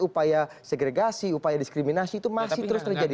upaya segregasi upaya diskriminasi itu masih terus terjadi